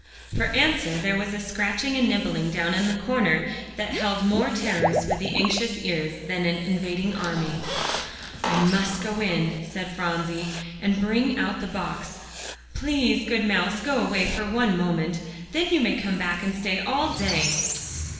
For answer there was a scratching and nibbling down in the corner that held more terrors for the anxious ears than an invading army. "I must go in," said Phronsie, "and bring out the box. Please, good mouse, go away for one moment; then you may come back and stay all day."